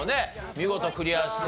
見事クリアして。